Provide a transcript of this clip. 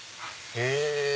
へぇ。